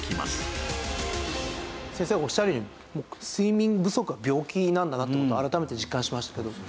先生おっしゃるように睡眠不足は病気なんだなって事を改めて実感しましたけど。